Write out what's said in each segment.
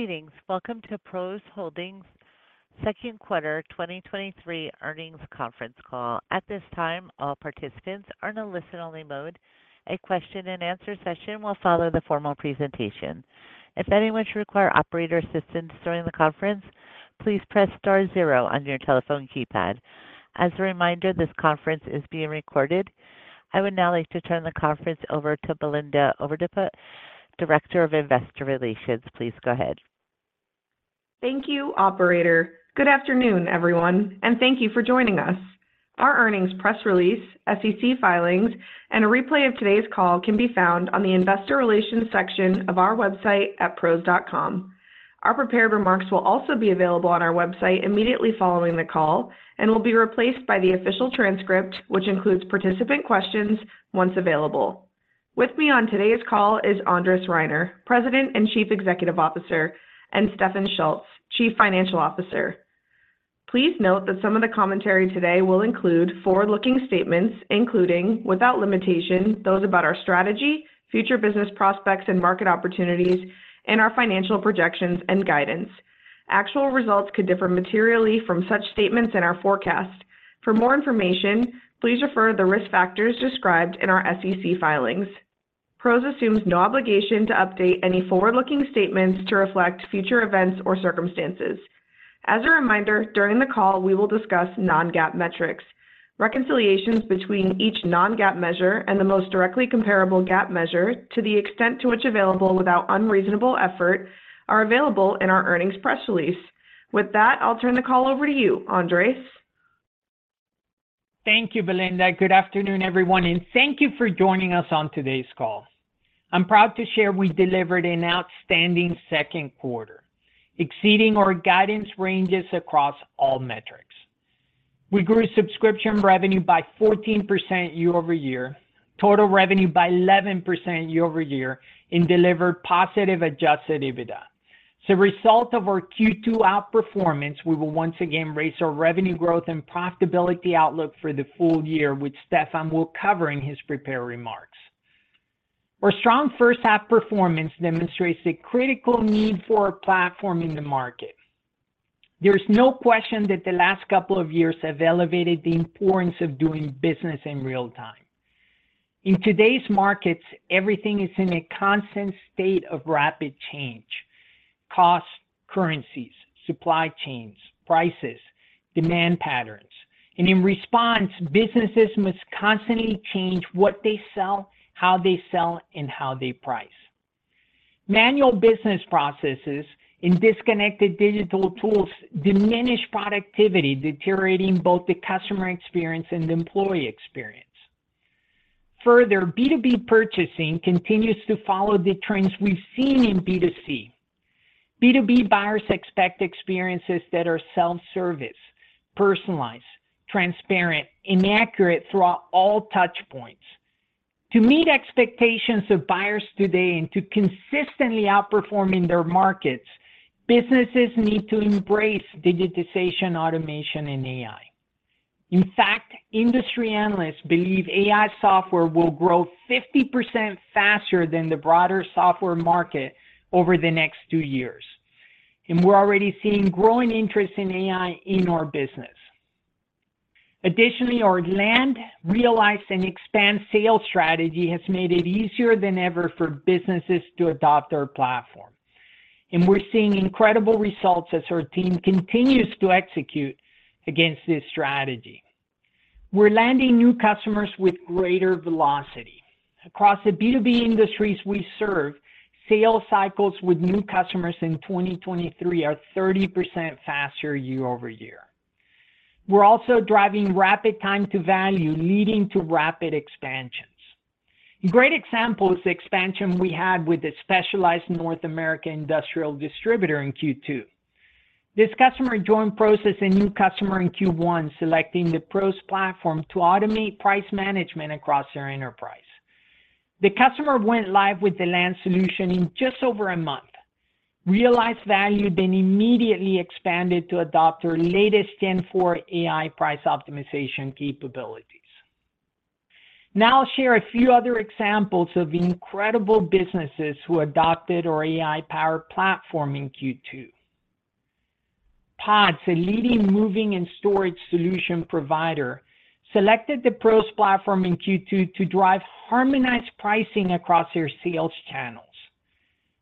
Greetings. Welcome to PROS Holdings Q2 2023 earnings conference call. At this time, all participants are in a listen-only mode. A question and answer session will follow the formal presentation. If anyone should require operator assistance during the conference, please press star zero on your telephone keypad. As a reminder, this conference is being recorded. I would now like to turn the conference over to Belinda Overdeput, Director of Investor Relations. Please go ahead. Thank you, operator. Good afternoon, everyone, and thank you for joining us. Our earnings press release, SEC filings, and a replay of today's call can be found on the Investor Relations section of our website at pros.com. Our prepared remarks will also be available on our website immediately following the call and will be replaced by the official transcript, which includes participant questions, once available. With me on today's call is Andres Reiner, President and Chief Executive Officer, and Stefan Schulz, Chief Financial Officer. Please note that some of the commentary today will include forward-looking statements, including, without limitation, those about our strategy, future business prospects and market opportunities, and our financial projections and guidance. Actual results could differ materially from such statements in our forecast. For more information, please refer the risk factors described in our SEC filings. PROS assumes no obligation to update any forward-looking statements to reflect future events or circumstances. As a reminder, during the call, we will discuss non-GAAP metrics. Reconciliations between each non-GAAP measure and the most directly comparable GAAP measure, to the extent to which available without unreasonable effort, are available in our earnings press release. With that, I'll turn the call over to you, Andres. Thank you, Belinda. Good afternoon, everyone. Thank you for joining us on today's call. I'm proud to share we delivered an outstanding Q2, exceeding our guidance ranges across all metrics. We grew subscription revenue by 14% year-over-year, total revenue by 11% year-over-year, and delivered positive adjusted EBITDA. As a result of our Q2 outperformance, we will once again raise our revenue growth and profitability outlook for the full year, which Stefan will cover in his prepared remarks. Our strong first half performance demonstrates the critical need for our platform in the market. There's no question that the last couple of years have elevated the importance of doing business in real time. In today's markets, everything is in a constant state of rapid change: costs, currencies, supply chains, prices, demand patterns. In response, businesses must constantly change what they sell, how they sell, and how they price. Manual business processes and disconnected digital tools diminish productivity, deteriorating both the customer experience and the employee experience. Further, B2B purchasing continues to follow the trends we've seen in B2C. B2B buyers expect experiences that are self-service, personalized, transparent, and accurate throughout all touch points. To meet expectations of buyers today and to consistently outperform in their markets, businesses need to embrace digitization, automation, and AI. In fact, industry analysts believe AI software will grow 50% faster than the broader software market over the next two years, and we're already seeing growing interest in AI in our business. Additionally, our land, realize, and expand sales strategy has made it easier than ever for businesses to adopt our platform, and we're seeing incredible results as our team continues to execute against this strategy. We're landing new customers with greater velocity. Across the B2B industries we serve, sales cycles with new customers in 2023 are 30% faster year-over-year. We're also driving rapid time to value, leading to rapid expansions. A great example is the expansion we had with a specialized North American industrial distributor in Q2. This customer joined PROS as a new customer in Q1, selecting the PROS platform to automate price management across their enterprise. The customer went live with the land solution in just over a month, realized value, then immediately expanded to adopt our latest Gen Four AI price optimization capabilities. Now I'll share a few other examples of incredible businesses who adopted our AI-powered platform in Q2. PODS, a leading moving and storage solution provider, selected the PROS platform in Q2 to drive harmonized pricing across their sales channels.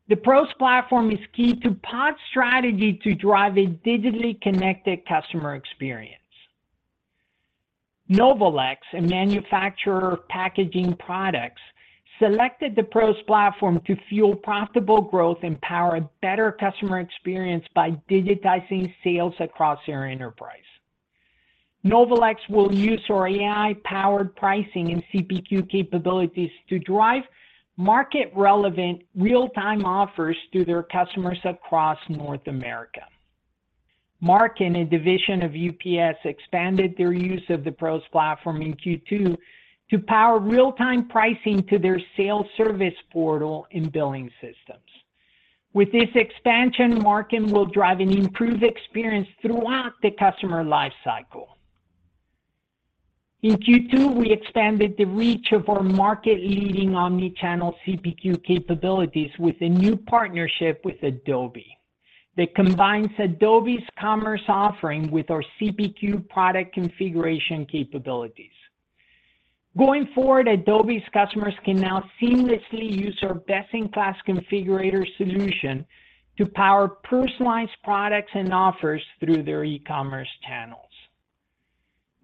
The PROS platform is key to PODS' strategy to drive a digitally connected customer experience. Novolex, a manufacturer of packaging products, selected the PROS platform to fuel profitable growth and power a better customer experience by digitizing sales across their enterprise. Novolex will use our AI-powered pricing and CPQ capabilities to drive market-relevant, real-time offers to their customers across North America. Marken, a division of UPS, expanded their use of the PROS platform in Q2 to power real-time pricing to their sales service portal and billing systems. With this expansion, Marken will drive an improved experience throughout the customer life cycle. In Q2, we expanded the reach of our market-leading omni-channel CPQ capabilities with a new partnership with Adobe, that combines Adobe's commerce offering with our CPQ product configuration capabilities. Going forward, Adobe's customers can now seamlessly use our best-in-class configurator solution to power personalized products and offers through their e-commerce channels.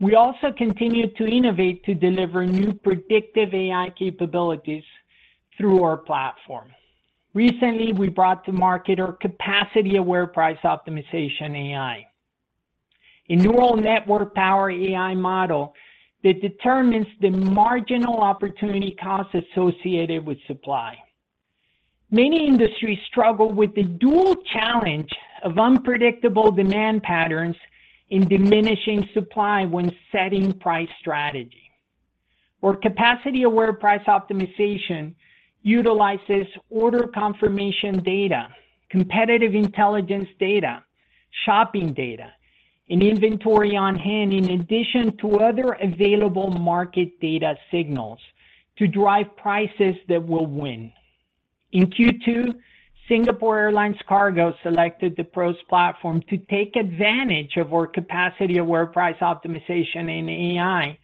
We also continued to innovate to deliver new predictive AI capabilities through our platform. Recently, we brought to market our capacity-aware price optimization AI, a neural network-powered AI model that determines the marginal opportunity cost associated with supply. Many industries struggle with the dual challenge of unpredictable demand patterns and diminishing supply when setting price strategy. Our capacity-aware price optimization utilizes order confirmation data, competitive intelligence data, shopping data, and inventory on hand, in addition to other available market data signals, to drive prices that will win. In Q2, Singapore Airlines Cargo selected the PROS platform to take advantage of our capacity-aware price optimization and AI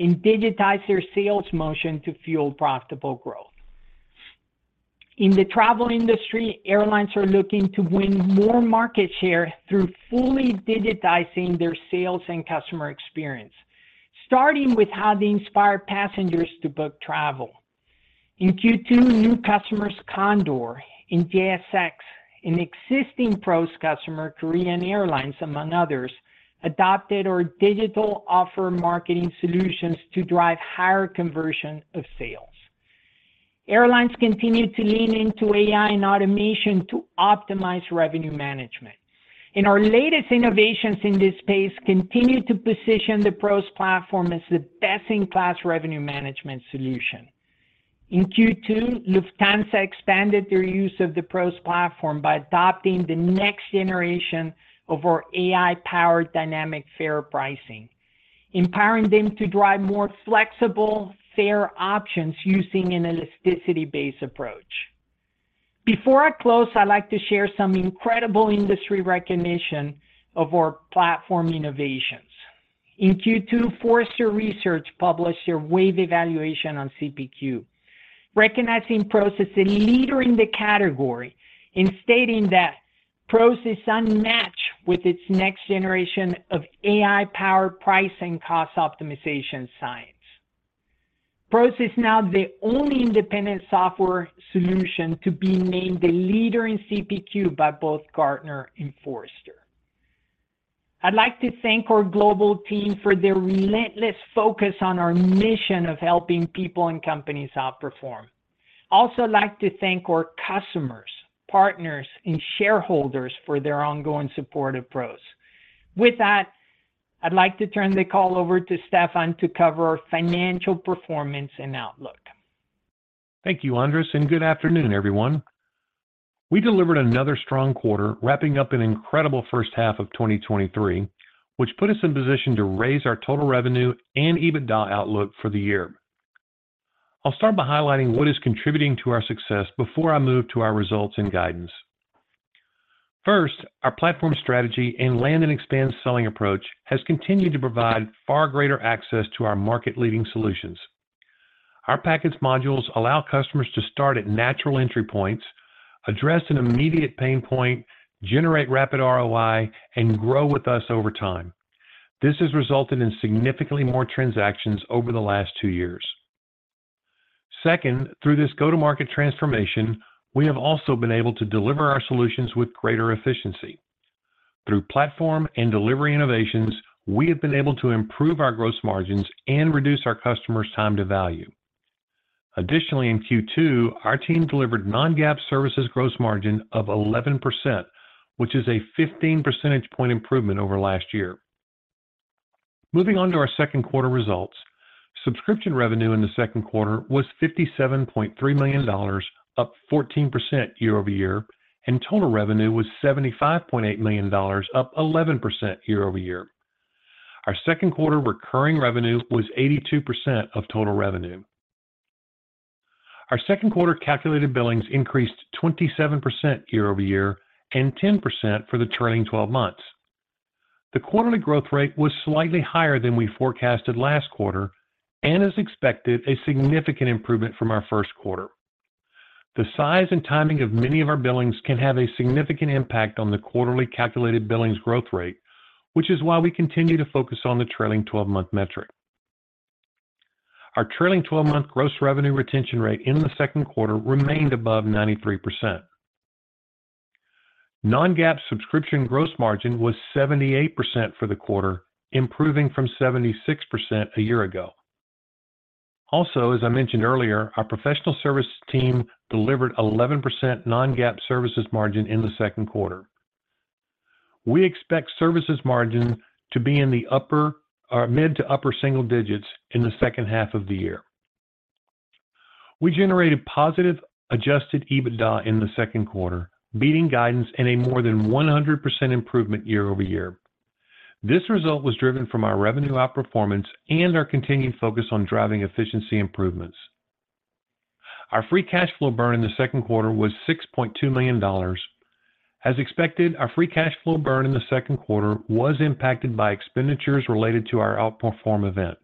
and digitize their sales motion to fuel profitable growth. In the travel industry, airlines are looking to win more market share through fully digitizing their sales and customer experience, starting with how they inspire passengers to book travel. In Q2, new customers, Condor and JSX, and existing PROS customer, Korean Air, among others, adopted our digital offer marketing solutions to drive higher conversion of sales. Airlines continue to lean into AI and automation to optimize revenue management, and our latest innovations in this space continue to position the PROS platform as the best-in-class revenue management solution. In Q2, Lufthansa expanded their use of the PROS platform by adopting the next generation of our AI-powered dynamic fare pricing, empowering them to drive more flexible fare options using an elasticity-based approach. Before I close, I'd like to share some incredible industry recognition of our platform innovations. In Q2, Forrester Research published their wave evaluation on CPQ, recognizing PROS as a leader in the category and stating that PROS is unmatched with its next generation of AI-powered pricing cost optimization science. PROS is now the only independent software solution to be named a leader in CPQ by both Gartner and Forrester. I'd like to thank our global team for their relentless focus on our mission of helping people and companies outperform. I'd also like to thank our customers, partners, and shareholders for their ongoing support of PROS. With that, I'd like to turn the call over to Stefan to cover our financial performance and outlook. Thank you, Andres. Good afternoon, everyone. We delivered another strong quarter, wrapping up an incredible first half of 2023, which put us in position to raise our total revenue and EBITDA outlook for the year. I'll start by highlighting what is contributing to our success before I move to our results and guidance. First, our platform strategy and land and expand selling approach has continued to provide far greater access to our market-leading solutions. Our package modules allow customers to start at natural entry points, address an immediate pain point, generate rapid ROI, and grow with us over time. This has resulted in significantly more transactions over the last two years. Second, through this go-to-market transformation, we have also been able to deliver our solutions with greater efficiency. Through platform and delivery innovations, we have been able to improve our gross margins and reduce our customers' time to value. Additionally, in Q2, our team delivered non-GAAP services gross margin of 11%, which is a 15-percentage point improvement over last year. Moving on to our Q2 results, subscription revenue in the Q2 was $57.3 million, up 14% year-over-year, and total revenue was $75.8 million, up 11% year-over-year. Our Q2 recurring revenue was 82% of total revenue. Our Q2 calculated billings increased 27% year-over-year and 10% for the trailing 12 months. The quarterly growth rate was slightly higher than we forecasted last quarter and is expected a significant improvement from our Q1. The size and timing of many of our billings can have a significant impact on the quarterly calculated billings growth rate, which is why we continue to focus on the trailing 12 month metric. Our trailing 12 month gross revenue retention rate in the Q2 remained above 93%. Non-GAAP subscription gross margin was 78% for the quarter, improving from 76% a year ago. As I mentioned earlier, our professional service team delivered 11% non-GAAP services margin in the Q2. We expect services margin to be in the upper or mid to upper single digits in the second half of the year. We generated positive adjusted EBITDA in the Q2, beating guidance and a more than 100% improvement year-over-year. This result was driven from our revenue outperformance and our continued focus on driving efficiency improvements. Our free cash flow burn in the Q2 was $6.2 million. As expected, our free cash flow burn in the Q2 was impacted by expenditures related to our Outperform event.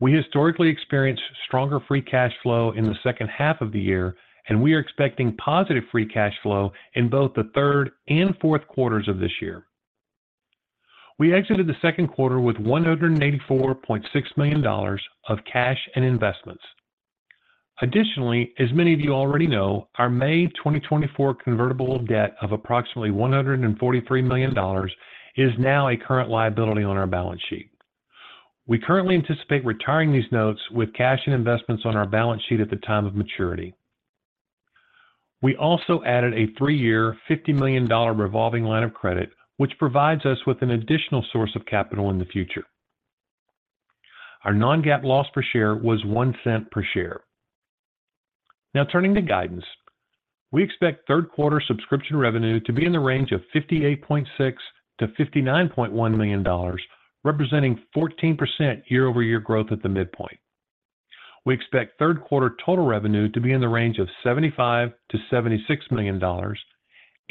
We historically experienced stronger free cash flow in the second half of the year, and we are expecting positive free cash flow in both the Q3 and Q4 of this year. We exited the Q2 with $184.6 million of cash and investments. Additionally, as many of you already know, our May 2024 convertible of debt of approximately $143 million is now a current liability on our balance sheet. We currently anticipate retiring these notes with cash and investments on our balance sheet at the time of maturity. We also added a three-year, $50 million revolving line of credit, which provides us with an additional source of capital in the future. Our non-GAAP loss per share was $0.01 per share. Turning to guidance. We expect Q3 subscription revenue to be in the range of $58.6 million-$59.1 million, representing 14% year-over-year growth at the midpoint. We expect Q3 total revenue to be in the range of $75 million-$76 million,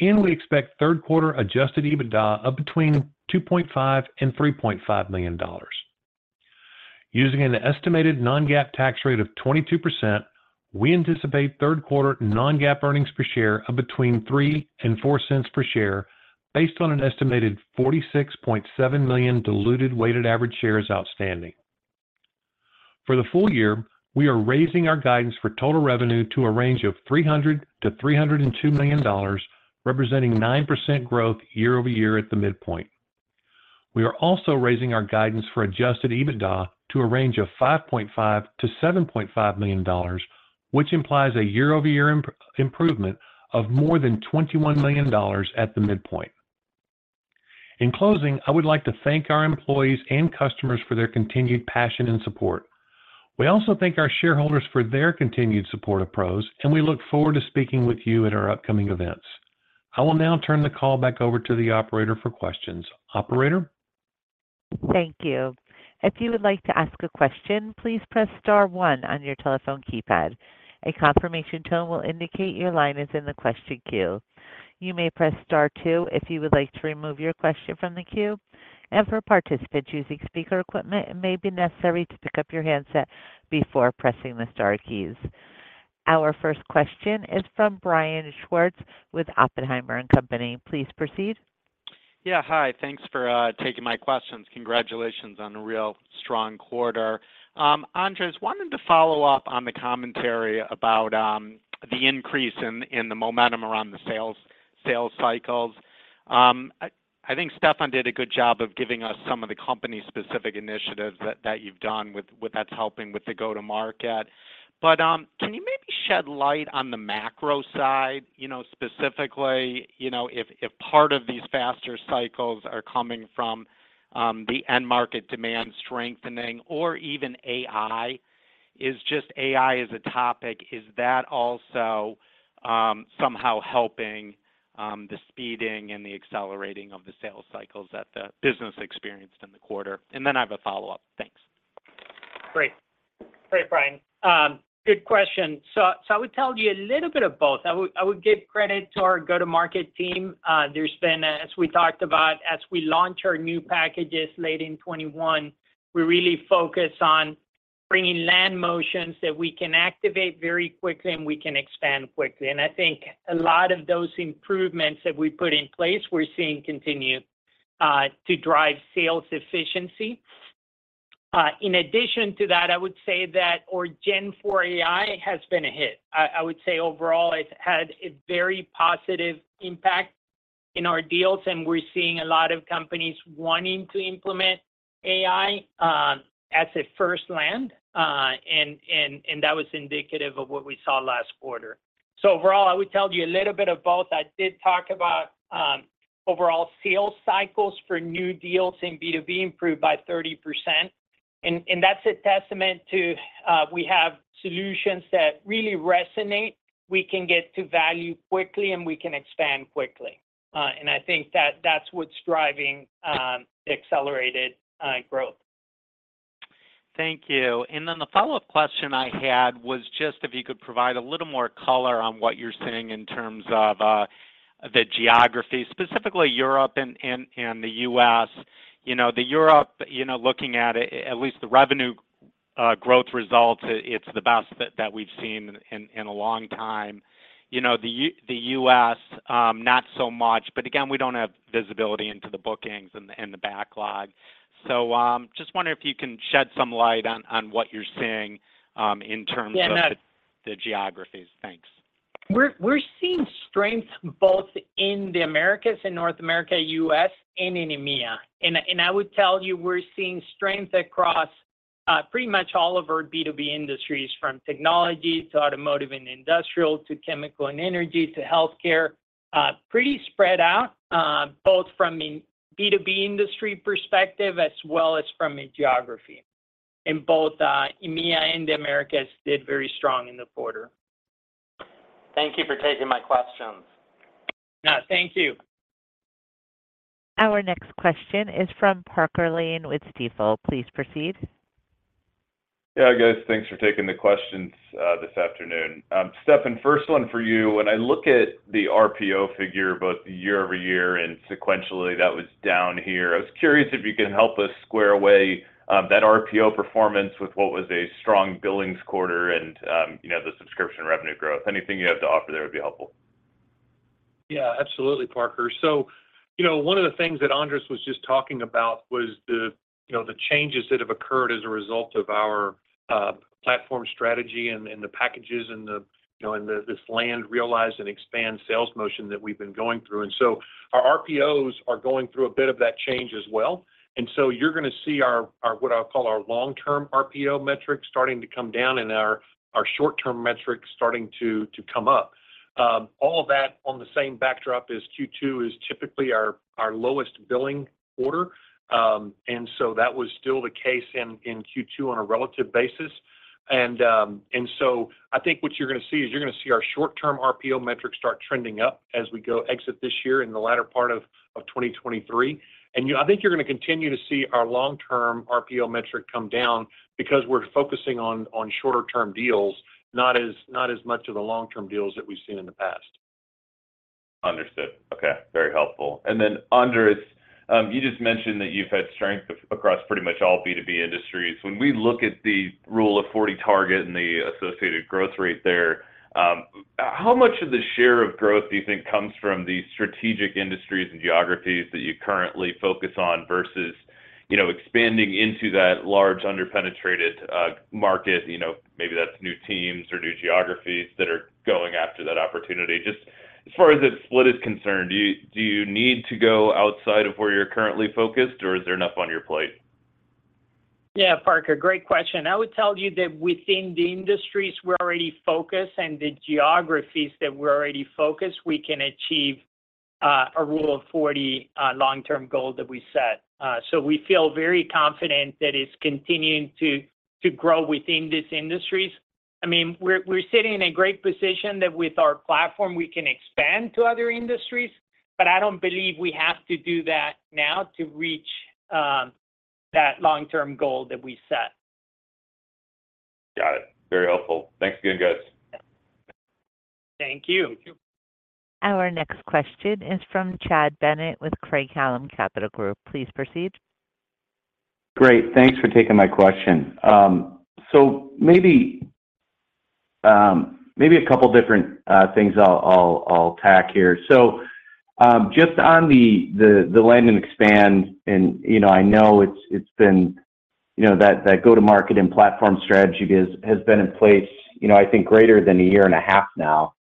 and we expect Q3 adjusted EBITDA of between $2.5 million and $3.5 million. Using an estimated non-GAAP tax rate of 22%, we anticipate Q3 non-GAAP earnings per share of between $0.03 and $0.04 per share, based on an estimated 46.7 million diluted weighted average shares outstanding. For the full year, we are raising our guidance for total revenue to a range of $300 million-$302 million, representing 9% growth year-over-year at the midpoint. We are also raising our guidance for adjusted EBITDA to a range of $5.5 million-$7.5 million, which implies a year-over-year improvement of more than $21 million at the midpoint. In closing, I would like to thank our employees and customers for their continued passion and support. We also thank our shareholders for their continued support of PROS. We look forward to speaking with you at our upcoming events. I will now turn the call back over to the operator for questions. Operator? Thank you. If you would like to ask a question, please press star one on your telephone keypad. A confirmation tone will indicate your line is in the question queue. You may press star two if you would like to remove your question from the queue, For participants using speaker equipment, it may be necessary to pick up your handset before pressing the star keys. Our first question is from Brian Schwartz with Oppenheimer & Co.. Please proceed. Yeah, hi. Thanks for taking my questions. Congratulations on a real strong quarter. Andres, wanted to follow up on the commentary about the increase in the momentum around the sales cycles. I think Stefan did a good job of giving us some of the company-specific initiatives that you've done that's helping with the go-to-market. Can you maybe shed light on the macro side? You know, specifically, you know, if part of these faster cycles are coming from the end market demand strengthening or even AI. Is just AI as a topic, is that also somehow helping the speeding and the accelerating of the sales cycles that the business experienced in the quarter? Then I have a follow-up. Thanks. Great, Brian. Good question. I would tell you a little bit of both. I would give credit to our go-to-market team. There's been. As we talked about, as we launch our new packages late in 2021, we really focus on bringing land motions that we can activate very quickly and we can expand quickly. And I think a lot of those improvements that we put in place, we're seeing continue to drive sales efficiency. In addition to that, I would say that our Gen Four AI has been a hit. I would say overall, it's had a very positive impact in our deals, and we're seeing a lot of companies wanting to implement AI as a first land, and that was indicative of what we saw last quarter. Overall, I would tell you a little bit of both. I did talk about overall sales cycles for new deals in B2B improved by 30%, and that's a testament to, we have solutions that really resonate. We can get to value quickly, and we can expand quickly. I think that that's what's driving accelerated growth. Thank you. The follow-up question I had was just if you could provide a little more color on what you're seeing in terms of, the geography, specifically Europe and the US. You know, the Europe, you know, looking at it, at least the revenue, growth results, it's the best that we've seen in a long time. You know, the US, not so much, but again, we don't have visibility into the bookings and the backlog. Just wondering if you can shed some light on what you're seeing in terms of- Yeah... the geographies. Thanks. We're seeing strength both in the Americas, in North America, U.S., and in EMEA. I would tell you, we're seeing strength across pretty much all of our B2B industries, from technology to automotive and industrial, to chemical and energy, to healthcare. Pretty spread out both from a B2B industry perspective as well as from a geography. In both EMEA and the Americas did very strong in the quarter. Thank you for taking my questions. Thank you. Our next question is from Parker Lane with Stifel. Please proceed. Yeah, guys, thanks for taking the questions, this afternoon. Stefan, first one for you. When I look at the RPO figure, both the year-over-year and sequentially, that was down here, I was curious if you can help us square away that RPO performance with what was a strong billings quarter and, you know, the subscription revenue growth. Anything you have to offer there would be helpful. Yeah, absolutely, Parker. You know, one of the things that Andres was just talking about was the, you know, the changes that have occurred as a result of our platform strategy and the packages and the, you know, and the, this land realize and expand sales motion that we've been going through. Our RPOs are going through a bit of that change as well. You're gonna see our, what I'll call our long-term RPO metrics starting to come down, and our short-term metrics starting to come up. All of that on the same backdrop as Q2 is typically our lowest billing quarter. That was still the case in Q2 on a relative basis. I think what you're gonna see is you're gonna see our short-term RPO metrics start trending up as we go exit this year in the latter part of 2023. I think you're gonna continue to see our long-term RPO metric come down because we're focusing on shorter term deals, not as much of the long-term deals that we've seen in the past. Understood. Okay, very helpful. Andres, you just mentioned that you've had strength across pretty much all B2B industries. When we look at the rule of 40 target and the associated growth rate there, how much of the share of growth do you think comes from the strategic industries and geographies that you currently focus on versus, you know, expanding into that large, underpenetrated market? You know, maybe that's new teams or new geographies that are going after that opportunity. Just as far as the split is concerned, do you need to go outside of where you're currently focused, or is there enough on your plate? Yeah, Parker, great question. I would tell you that within the industries we're already focused and the geographies that we're already focused, we can achieve a rule of 40 long-term goal that we set. We feel very confident that it's continuing to grow within these industries. I mean, we're sitting in a great position that with our platform, we can expand to other industries, but I don't believe we have to do that now to reach that long-term goal that we set. Got it. Very helpful. Thanks again, guys. Thank you. Thank you. Our next question is from Chad Bennett with Craig-Hallum Capital Group. Please proceed. Great, thanks for taking my question. maybe a couple different things I'll tack here. just on the land and expand, and, you know, I know it's been, you know, that go-to-market and platform strategy has been in place, you know, I think greater than a year and a half now.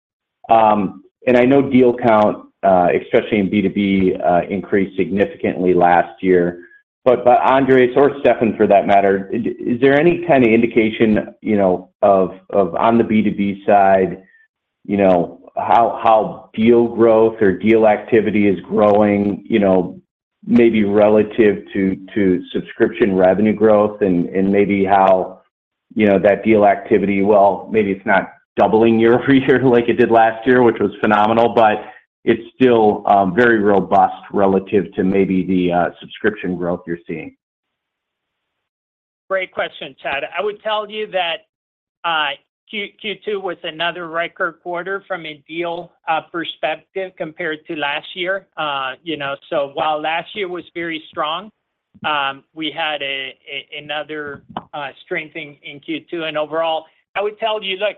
I know deal count, especially in B2B, increased significantly last year. Andres or Stefan, for that matter, is there any kind of indication, you know, of on the B2B side, you know, how deal growth or deal activity is growing, you know, maybe relative to subscription revenue growth, and maybe how, you know, that deal activity, well, maybe it's not doubling year-over-year like it did last year, which was phenomenal, but it's still very robust relative to maybe the subscription growth you're seeing? Great question, Chad. I would tell you that Q2 was another record quarter from a deal perspective compared to last year. You know, while last year was very strong, we had another strength in Q2. Overall, I would tell you, look,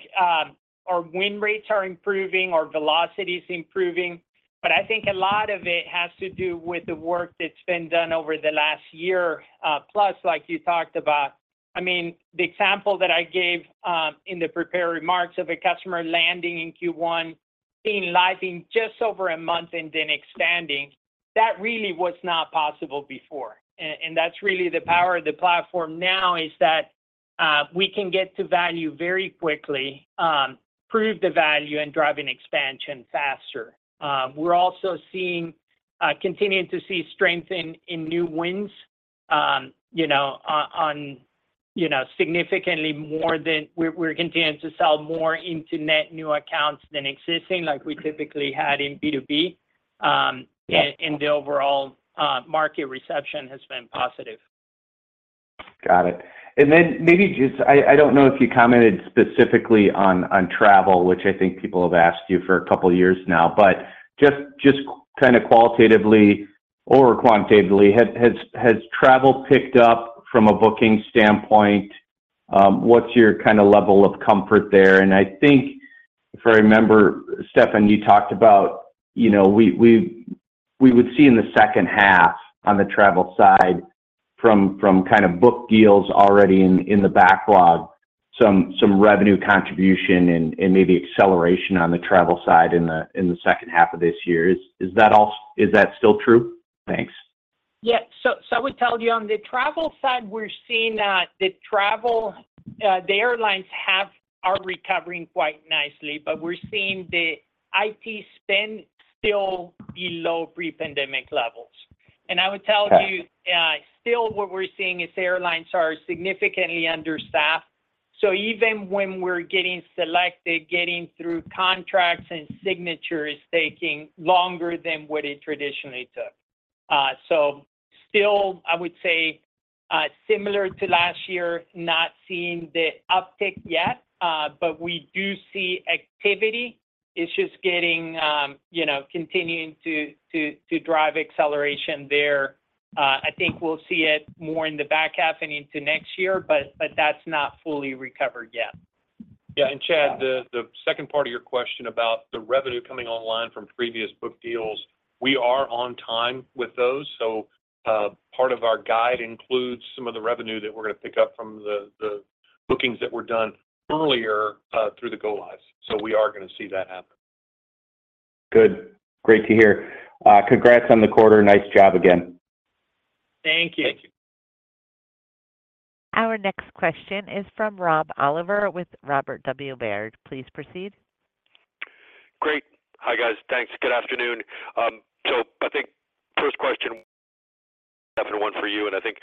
our win rates are improving, our velocity is improving, but I think a lot of it has to do with the work that's been done over the last year+, like you talked about. I mean, the example that I gave in the prepared remarks of a customer landing in Q1, being live in just over one month, and then expanding, that really was not possible before. That's really the power of the platform now, is that we can get to value very quickly, prove the value, and drive an expansion faster. We're also seeing, continuing to see strength in new wins, you know, on, you know, significantly more than we're continuing to sell more into net new accounts than existing, like we typically had in B2B. The overall market reception has been positive. Got it. Maybe just, I don't know if you commented specifically on travel, which I think people have asked you for a couple of years now, but just kind of qualitatively or quantitatively, has travel picked up from a booking standpoint? What's your kind of level of comfort there? I think, if I remember, Stefan, you talked about, you know, we would see in the second half on the travel side from kind of book deals already in the backlog, some revenue contribution and maybe acceleration on the travel side in the second half of this year. Is that still true? Thanks. I would tell you on the travel side, we're seeing that the travel, the airlines are recovering quite nicely, but we're seeing the IT spend still below pre-pandemic levels. I would tell you, still what we're seeing is airlines are significantly understaffed. Even when we're getting selected, getting through contracts and signatures is taking longer than what it traditionally took. Still, I would say, similar to last year, not seeing the uptick yet, but we do see activity. It's just getting, you know, continuing to drive acceleration there. I think we'll see it more in the back half and into next year, but that's not fully recovered yet. Chad, the second part of your question about the revenue coming online from previous book deals, we are on time with those. Part of our guide includes some of the revenue that we're gonna pick up from the bookings that were done earlier, through the go-lives. We are gonna see that happen. Good. Great to hear. congrats on the quarter. Nice job again. Thank you. Our next question is from Rob Oliver with Robert W. Baird. Please proceed. Great. Hi, guys. Thanks. Good afternoon. I think first question, definitely one for you, and I think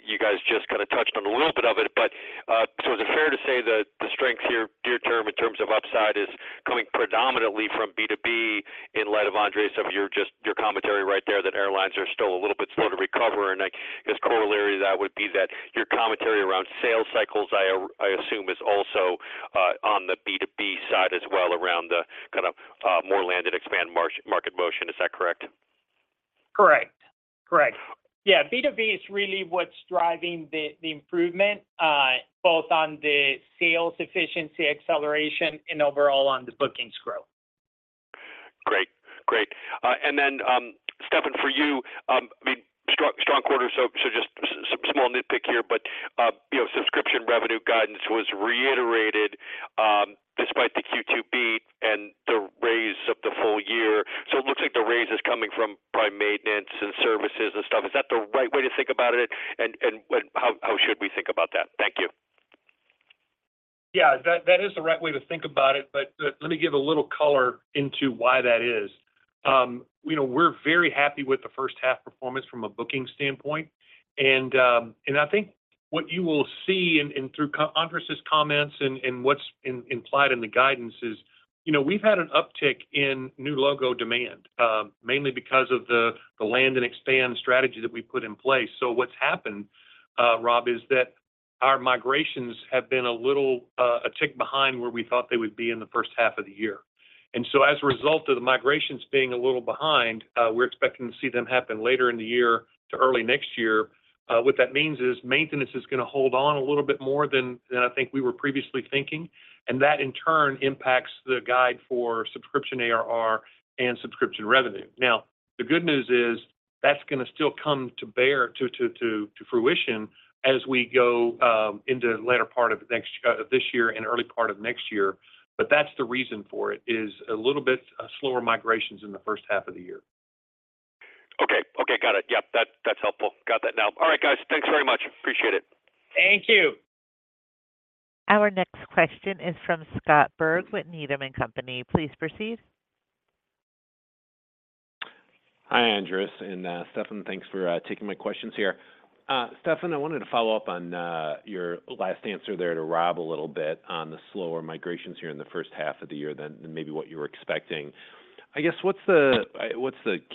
you guys just kinda touched on a little bit of it, but is it fair to say that the strength here near term in terms of upside is coming predominantly from B2B in light of Andres, of your commentary right there, that airlines are still a little bit slower to recover? I guess, corollary to that would be that your commentary around sales cycles, I assume, is also on the B2B side as well around the kind of more land-and-expand market motion. Is that correct? Correct. Correct. B2B is really what's driving the improvement, both on the sales efficiency, acceleration, and overall on the bookings growth. Great. Great. Then, Stefan, for you, I mean, strong quarter, so just small nitpick here, but, you know, subscription revenue guidance was reiterated, despite the Q2 beat and the raise of the full year. It looks like the raise is coming from probably maintenance and services and stuff. Is that the right way to think about it? How should we think about that? Thank you. Yeah, that is the right way to think about it, but let me give a little color into why that is. You know, we're very happy with the first half performance from a booking standpoint. I think what you will see and through Andres's comments and what's implied in the guidance is, you know, we've had an uptick in new logo demand, mainly because of the land and expand strategy that we put in place. What's happened, Rob, is that our migrations have been a little a tick behind where we thought they would be in the first half of the year. As a result of the migrations being a little behind, we're expecting to see them happen later in the year to early next year. What that means is maintenance is gonna hold on a little bit more than I think we were previously thinking, and that, in turn, impacts the guide for subscription ARR and subscription revenue. The good news is, that's gonna still come to bear to fruition as we go into the latter part of next year this year and early part of next year. That's the reason for it, is a little bit slower migrations in the first half of the year. Okay. Okay, got it. Yep, that's helpful. Got that now. All right, guys, thanks very much. Appreciate it. Thank you. Our next question is from Scott Berg with Needham and Company. Please proceed. Hi, Andres and Stefan. Thanks for taking my questions here. Stefan, I wanted to follow up on your last answer there to Rob a little bit on the slower migrations here in the first half of the year than maybe what you were expecting. I guess, what's the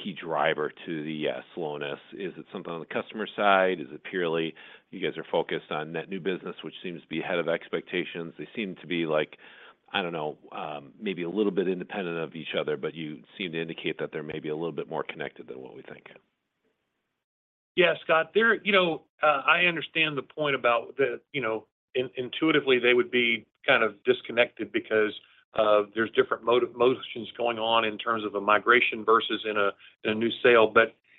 key driver to the slowness? Is it something on the customer side? Is it purely you guys are focused on net new business, which seems to be ahead of expectations? They seem to be like, I don't know, maybe a little bit independent of each other, but you seem to indicate that they may be a little bit more connected than what we think. Yeah, Scott, there... You know, I understand the point about the, you know, intuitively, they would be kind of disconnected because there's different motions going on in terms of a migration versus in a, in a new sale.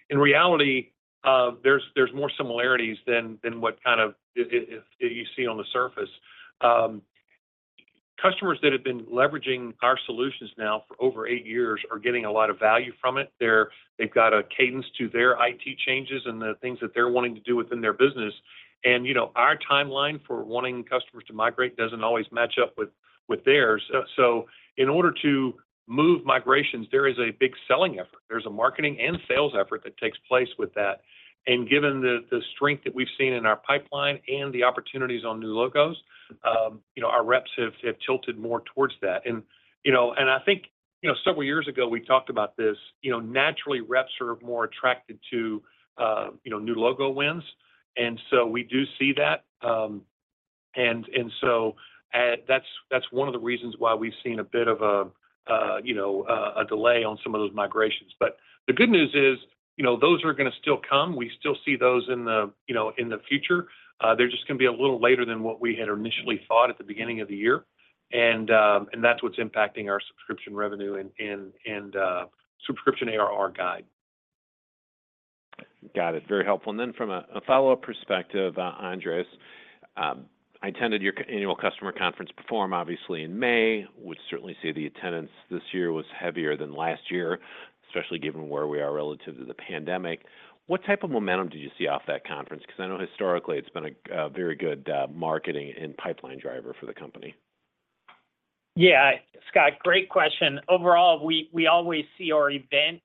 In reality, there's more similarities than what kind of you see on the surface. Customers that have been leveraging our solutions now for over eight years are getting a lot of value from it. They've got a cadence to their IT changes and the things that they're wanting to do within their business. You know, our timeline for wanting customers to migrate doesn't always match up with theirs. In order to move migrations, there is a big selling effort. There's a marketing and sales effort that takes place with that. Given the strength that we've seen in our pipeline and the opportunities on new logos, you know, our reps have tilted more towards that. You know, I think, you know, several years ago, we talked about this, you know, naturally, reps are more attracted to, you know, new logo wins, we do see that. That's one of the reasons why we've seen a bit of a, you know, a delay on some of those migrations. The good news is, you know, those are gonna still come. We still see those, you know, in the future. They're just gonna be a little later than what we had initially thought at the beginning of the year. That's what's impacting our subscription revenue and subscription ARR guide. Got it. Very helpful. From a follow-up perspective, Andres, I attended your annual customer conference Perform, obviously, in May. Would certainly say the attendance this year was heavier than last year, especially given where we are relative to the pandemic. What type of momentum did you see off that conference? Because I know historically it's been a very good marketing and pipeline driver for the company. Yeah, Scott, great question. Overall, we always see our event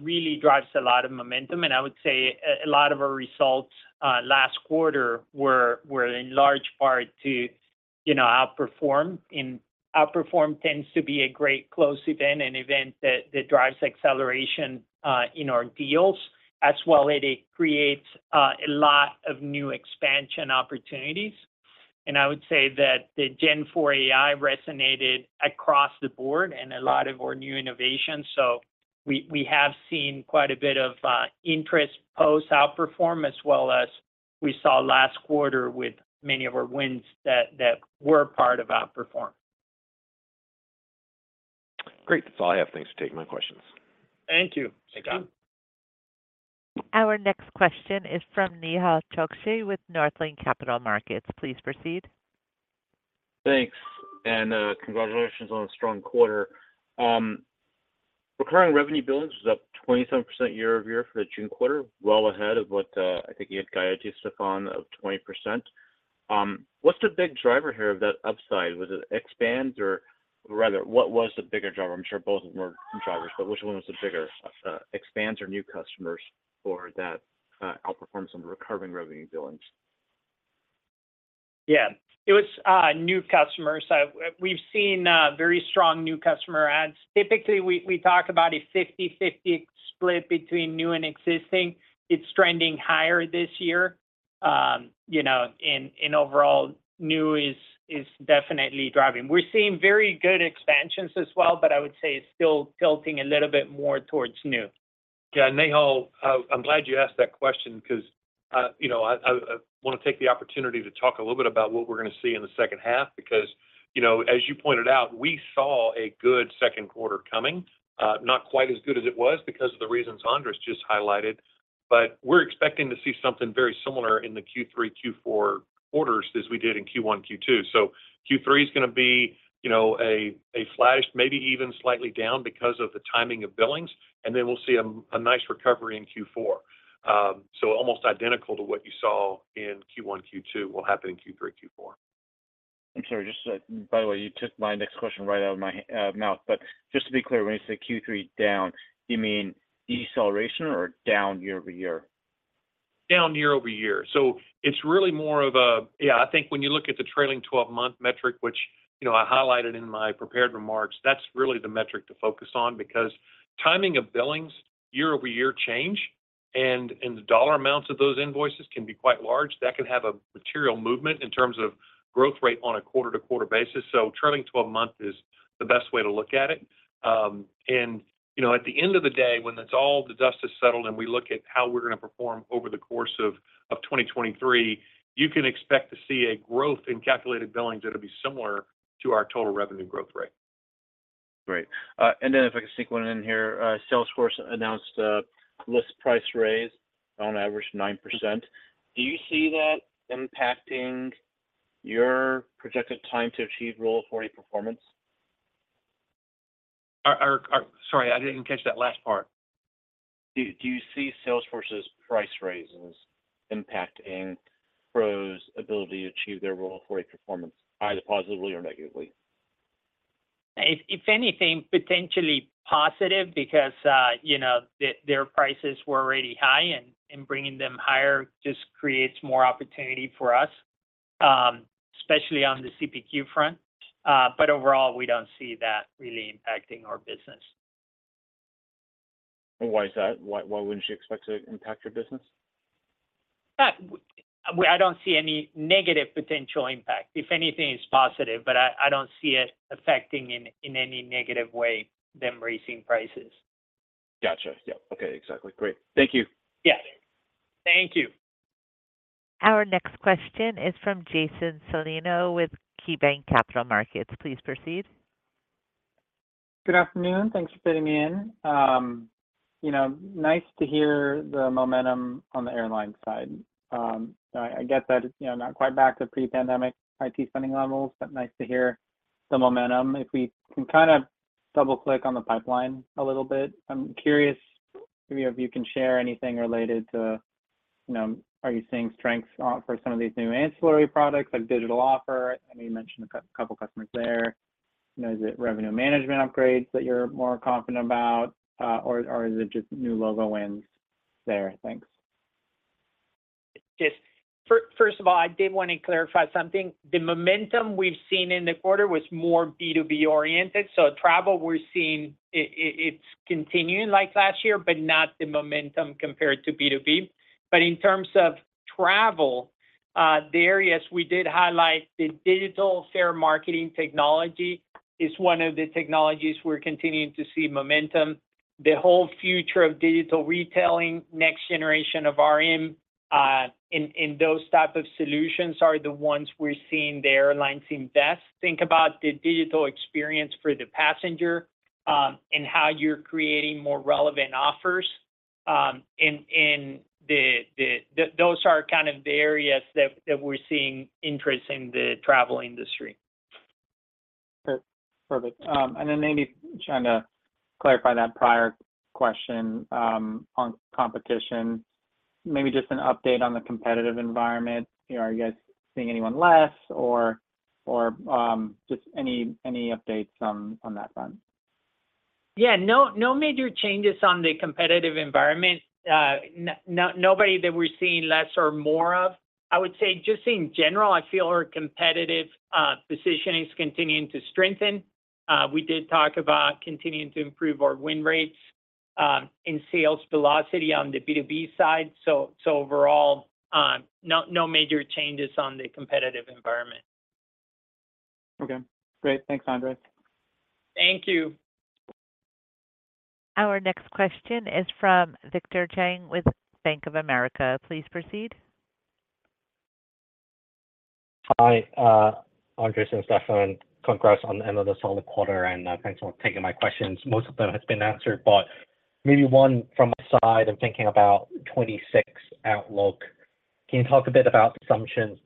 really drives a lot of momentum. I would say a lot of our results last quarter were in large part to, you know, Outperform. Outperform tends to be a great close event, an event that drives acceleration in our deals. As well, it creates a lot of new expansion opportunities. I would say that the Gen Four AI resonated across the board in a lot of our new innovations. We have seen quite a bit of interest post-Outperform, as well as we saw last quarter with many of our wins that were part of Outperform. Great. That's all I have. Thanks for taking my questions. Thank you. Thank you. Our next question is from Nehal Chokshi with Northland Capital Markets. Please proceed. Thanks, congratulations on a strong quarter. Recurring revenue billings was up 27% year-over-year for the June quarter, well ahead of what I think you had guided to, Stefan, of 20%. What's the big driver here of that upside? Was it expands or rather, what was the bigger driver? I'm sure both of them were drivers, but which one was the bigger, expands or new customers for that, outperform some recurring revenue billings? Yeah. It was new customers. We've seen very strong new customer adds. Typically, we talk about a 50/50 split between new and existing. It's trending higher this year. you know, in overall, new is definitely driving. We're seeing very good expansions as well, but I would say it's still tilting a little bit more towards new. Yeah, Nehal, I want to take that question because, you know, I want to take the opportunity to talk a little bit about what we're going to see in the second half, because, you know, as you pointed out, we saw a good Q2 coming. Not quite as good as it was because of the reasons Andres just highlighted, but we're expecting to see something very similar in the Q3, Q4 quarters as we did in Q1, Q2. Q3 is going to be, you know, a flash, maybe even slightly down because of the timing of billings, and then we'll see a nice recovery in Q4. Almost identical to what you saw in Q1, Q2 will happen in Q3, Q4. I'm sorry, just, by the way, you took my next question right out of my mouth. Just to be clear, when you say Q3 down, you mean deceleration or down year-over-year? Down year-over-year. Yeah, I think when you look at the trailing 12 month metric, which, you know, I highlighted in my prepared remarks, that's really the metric to focus on, because timing of billings year-over-year change, and the dollar amounts of those invoices can be quite large. That can have a material movement in terms of growth rate on a quarter-to-quarter basis. Trailing 12 month is the best way to look at it. You know, at the end of the day, when the dust is settled and we look at how we're going to perform over the course of 2023, you can expect to see a growth in calculated billings that'll be similar to our total revenue growth rate. Great. If I can sneak one in here, Salesforce announced a list price raise on average 9%. Do you see that impacting your projected time to achieve Rule 40 performance? Sorry, I didn't catch that last part. Do you see Salesforce's price raises impacting PROS's ability to achieve their Rule 40 performance, either positively or negatively? If anything, potentially positive, because, you know, their prices were already high, and bringing them higher just creates more opportunity for us, especially on the CPQ front. Overall, we don't see that really impacting our business. Why is that? Why wouldn't you expect to impact your business? I don't see any negative potential impact. If anything, it's positive, but I don't see it affecting in any negative way, them raising prices. Gotcha. Yeah. Okay, exactly. Great. Thank you. Yeah. Thank you. Our next question is from Jason Celino with KeyBanc Capital Markets. Please proceed. Good afternoon. Thanks for fitting me in. You know, nice to hear the momentum on the airline side. I get that, you know, not quite back to pre-pandemic IT spending levels, but nice to hear the momentum. If we can kind of double-click on the pipeline a little bit, I'm curious if you, if you can share anything related to, you know, are you seeing strengths for some of these new ancillary products, like digital offer? I know you mentioned a couple customers there. You know, is it revenue management upgrades that you're more confident about, or is it just new logo wins there? Thanks. First of all, I did want to clarify something. The momentum we've seen in the quarter was more B2B oriented, so travel, we're seeing it's continuing like last year, but not the momentum compared to B2B. In terms of travel, the areas we did highlight, the digital fare marketing technology is one of the technologies we're continuing to see momentum. The whole future of digital retailing, next generation of RM, and those type of solutions are the ones we're seeing the airlines in best. Think about the digital experience for the passenger, and how you're creating more relevant offers, in the those are kind of the areas that we're seeing interest in the travel industry. Perfect. Maybe trying to clarify that prior question, on competition, maybe just an update on the competitive environment? Are you guys seeing anyone less or, just any updates, on that front? Yeah, no major changes on the competitive environment. Nobody that we're seeing less or more of. I would say just in general, I feel our competitive positioning is continuing to strengthen. We did talk about continuing to improve our win rates in sales velocity on the B2B side. Overall, no major changes on the competitive environment. Okay, great. Thanks, Andres. Thank you. Our next question is from Victor Zhang with Bank of America. Please proceed. Hi, Andres and Stefan. Congrats on the end of the solid quarter, and thanks for taking my questions. Most of them has been answered, but maybe one from my side. I'm thinking about 2026 outlook. Can you talk a bit about the assumptions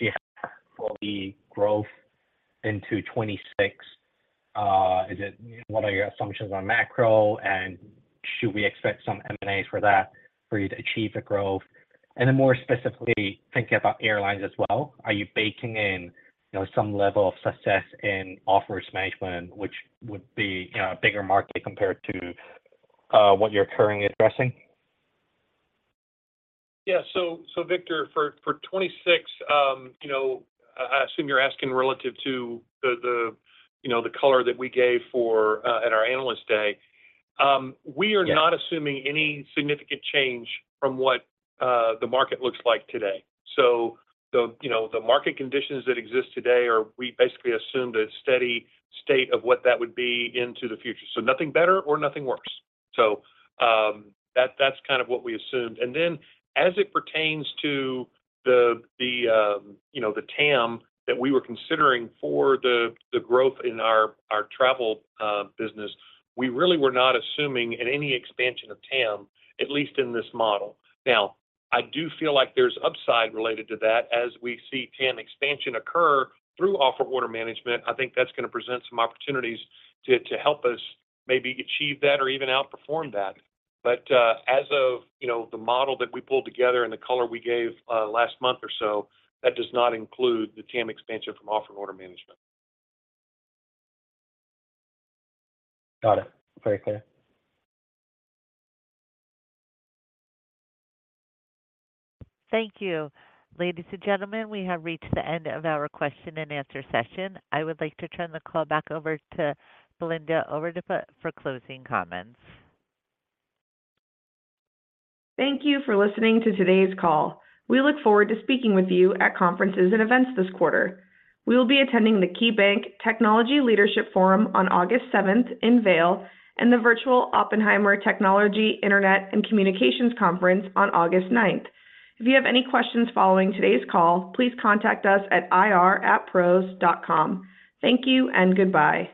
you have for the growth into 2026? What are your assumptions on macro, and should we expect some M&As for that for you to achieve the growth? More specifically, thinking about airlines as well, are you baking in, you know, some level of success in offers management, which would be, you know, a bigger market compared to what you're currently addressing? Yeah. Victor, for 2026, you know, I assume you're asking relative to the, you know, the color that we gave for at our Analyst Day. Yeah... not assuming any significant change from what the market looks like today. The, you know, the market conditions that exist today are we basically assume the steady state of what that would be into the future. Nothing better or nothing worse. That's kind of what we assumed. As it pertains to the, you know, the TAM that we were considering for the growth in our travel business, we really were not assuming in any expansion of TAM, at least in this model. Now, I do feel like there's upside related to that as we see TAM expansion occur through offer order management. I think that's gonna present some opportunities to help us maybe achieve that or even outperform that. As of, you know, the model that we pulled together and the color we gave, last month or so, that does not include the TAM expansion from offer and order management. Got it. Very clear. Thank you. Ladies and gentlemen, we have reached the end of our question and answer session. I would like to turn the call back over to Belinda Overdeput for closing comments. Thank you for listening to today's call. We look forward to speaking with you at conferences and events this quarter. We will be attending the KeyBanc Technology Leadership Forum on August seventh in Vail and the Virtual Oppenheimer Technology Internet and Communications Conference on August 9th. If you have any questions following today's call, please contact us at ir@pros.com. Thank you and goodbye.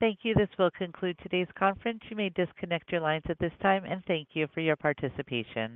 Thank you. This will conclude today's conference. You may disconnect your lines at this time. Thank you for your participation.